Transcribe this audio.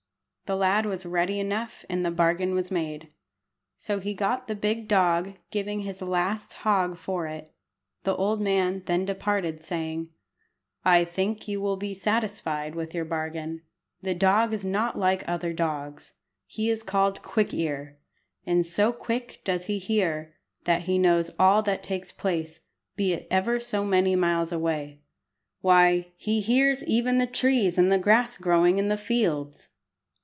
The lad was ready enough, and the bargain was made. So he got the big dog, giving his last hog for it. The old man then departed, saying "I think you will be satisfied with your bargain. The dog is not like other dogs. He is called Quick ear, and so quick does he hear, that he knows all that takes place, be it ever so many miles away. Why, he hears even the trees and the grass growing in the fields!"